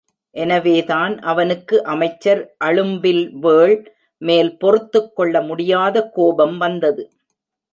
எனவேதான் அவனுக்கு அமைச்சர் அழும்பில்வேள் மேல் பொறுத்துக்கொள்ள முடியாத கோபம் வந்தது.